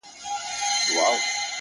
• ستا د يوې لپي ښكلا په بدله كي ياران،